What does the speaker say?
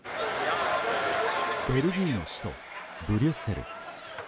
ベルギーの首都ブリュッセル。